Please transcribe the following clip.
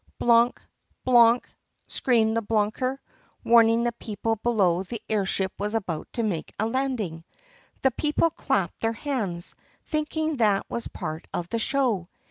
"BLOONK! BLOONK!" screamed the bloonker, warning the people below that the air ship was about to make a landing. The people clapped their hands, thinking that was part of the show.